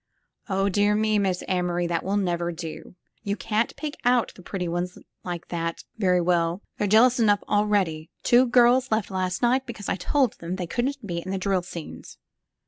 *'0h, dear me. Miss Amory, that will never do. You can't pick out the pretty ones like that very well. They're jealous enough already. Two girls left last night because I told them they couldn't be in the drill scenes."